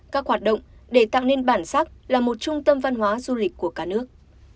các hoạt động để tạo nên bản sắc là một trung tâm văn hóa du lịch của cả nước